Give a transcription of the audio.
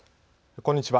こんにちは。